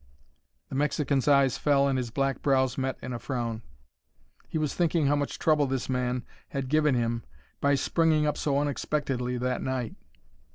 The Mexican's eyes fell and his black brows met in a frown. He was thinking how much trouble this man had given him by springing up so unexpectedly that night.